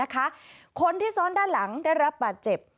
คนด้านหลังได้รับปัจจิบ